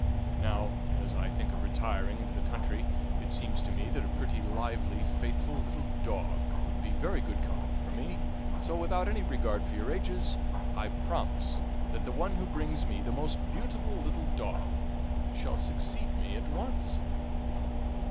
Now, as I think of retiring into the country, it seems to me that a pretty, lively, faithful little dog would be very good company for me; so, without any regard for your ages, I promise that the one who brings me the most beautiful little dog shall succeed me at once."